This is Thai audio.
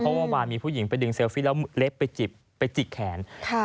เพราะเมื่อวานมีผู้หญิงไปดึงเลฟี่แล้วเล็บไปจิบไปจิกแขน